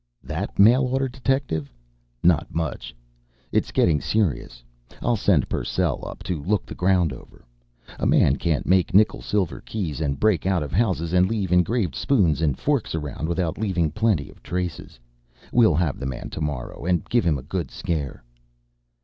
"That mail order detective? Not much! It is getting serious. I'll send Purcell up to look the ground over. A man can't make nickel silver keys, and break out of houses and leave engraved spoons and forks around without leaving plenty of traces. We'll have the man to morrow, and give him a good scare."